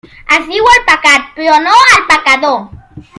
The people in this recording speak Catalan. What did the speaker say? Es diu el pecat, però no el pecador.